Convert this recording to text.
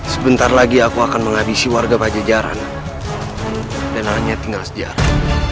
sebentar lagi aku akan menghabisi warga pajajaran dan hanya tinggal sejarah